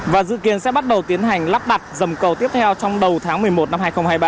và dự kiến sẽ bắt đầu tiến hành lắp đặt dầm cầu tiếp theo trong đầu tháng một mươi một năm hai nghìn hai mươi ba